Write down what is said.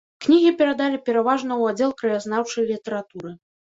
Кнігі перадалі пераважна ў аддзел краязнаўчай літаратуры.